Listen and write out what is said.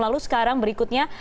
lalu sekarang berikutnya